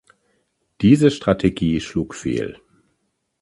Diese Strategie schlug fehl.